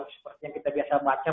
seperti yang kita biasa baca